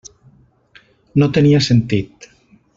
No tenia sentit.